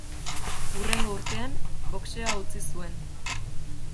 Hurrengo urtean, boxeoa utzi zuen.